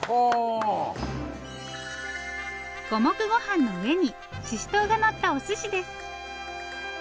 五目ごはんの上にししとうがのったおすしです。